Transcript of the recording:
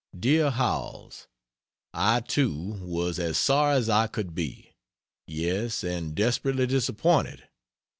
DEAR HOWELLS, I, too, was as sorry as I could be; yes, and desperately disappointed.